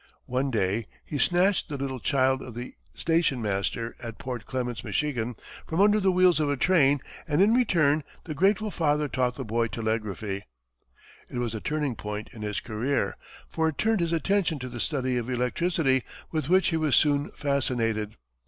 One day, he snatched the little child of the station master at Port Clements, Michigan, from under the wheels of a train, and in return the grateful father taught the boy telegraphy. It was the turning point in his career, for it turned his attention to the study of electricity, with which he was soon fascinated.